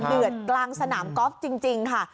เดือดกลางสนามกอล์ฟจริงค่ะ